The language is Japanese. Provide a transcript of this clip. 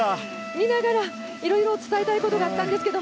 見ながらいろいろ伝えたいことがあったんですけど。